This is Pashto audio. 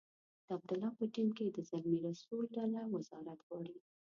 د عبدالله په ټیم کې د زلمي رسول ډله وزارت غواړي.